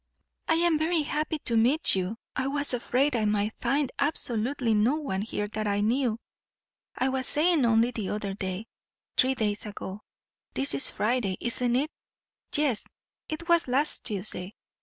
"I am very happy to meet you. I was afraid I might find absolutely no one here that I knew. I was saying only the other day three days ago; this is Friday, isn't it? yes; it was last Tuesday.